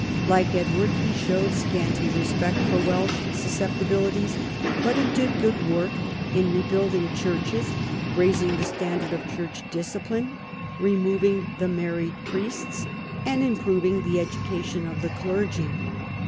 Like Edward, he showed scanty respect for Welsh susceptibilities, but he did good work in rebuilding churches, raising the standard of church discipline, removing the married priests, and improving the education of the clergy.